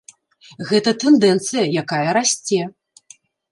Гэта тэндэнцыя, якая расце.